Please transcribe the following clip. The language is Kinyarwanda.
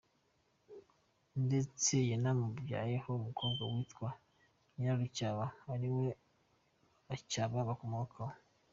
Ndetse yanamubyayeho umukobwa witwa Nyirarucyaba, ariwe Abacyaba bakomokaho.